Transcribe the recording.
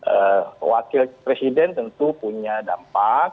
eee wakil presiden tentu punya dampak